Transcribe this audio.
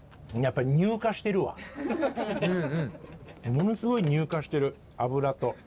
ものすごい乳化してる油と。